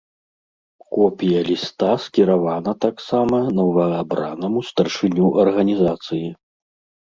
Копія ліста скіравана таксама новаабранаму старшыню арганізацыі.